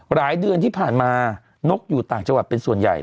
หลายเดือนที่ผ่านมานกอยู่ต่างจังหวัดเป็นส่วนใหญ่